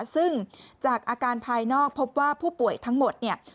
ซึ่งจากอาการภายนอกพบว่าผู้ป่วยทั้งหมดเนี่ย